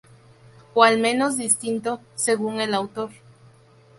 O, al menos, distinto", según el autor.